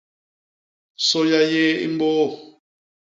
Sôya yéé i mbôô.